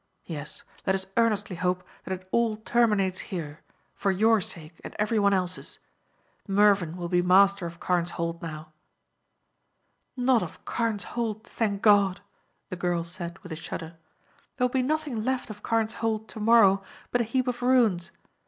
Yes, let us earnestly hope that it all terminates here, for your sake and every one else's. Mervyn will be master of Carne's Hold now." "Not of Carne's Hold, thank God!" the girl said with a shudder. "There will be nothing left of Carne's Hold to morrow but a heap of ruins.